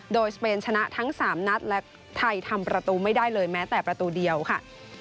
โดยสเปนชนะทั้ง๓นัดและไทยทำประตูไม่ได้เลยแม้แต่ประตูเดียวค่ะ